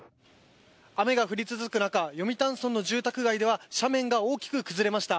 雨が降り続く中読谷村の住宅街では斜面が大きく崩れました。